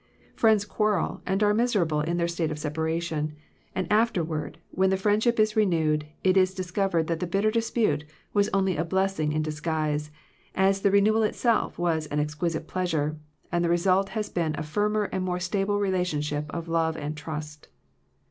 Friends quarrel, and are miser able in their state of separation; and afterward, when the friendship is re newed, it is discovered that the bitter dispute was only a blessing in disguise, as the renewal itself was an exquisite pleasure, and the result has been a firmer and more stable relationship of love and trust.